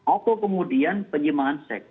atau kemudian penyembangan seks